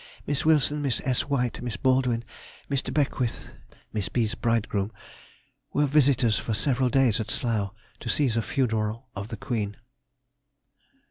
Miss Wilson, Miss S. White, Miss Baldwin, Mr. Beckwith (Miss B.'s bridegroom) were visitors for several days at Slough, to see the funeral of the Queen.